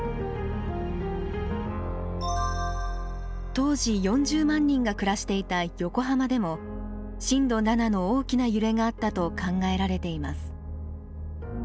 当時４０万人が暮らしていた横浜でも震度７の大きな揺れがあったと考えられています。